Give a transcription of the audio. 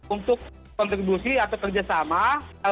untuk kontribusi atau kerjasama